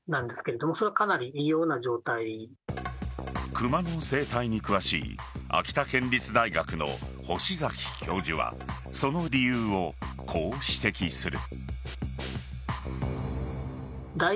クマの生態に詳しい秋田県立大学の星崎教授はその理由をこう指摘する。